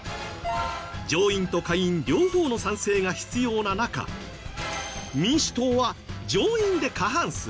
上院と下院両方の賛成が必要な中民主党は上院で過半数。